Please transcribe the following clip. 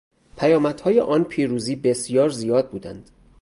پیامدهای آن پیروزی بسیار زیاد بودند.